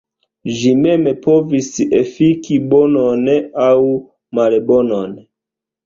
Ĝi mem povis efiki bonon aŭ malbonon.